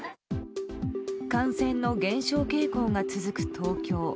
感染の減少傾向が続く東京。